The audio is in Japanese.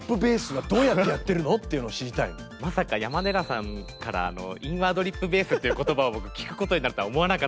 まさか山寺さんから「インワードリップベース」という言葉を僕聞くことになるとは思わなかったんですけど。